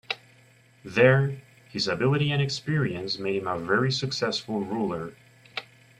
There, his ability and experience made him a very successful ruler.